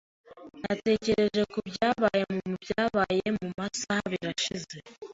Natekereje kubyabaye mubyabaye mumasaha abiri ashize.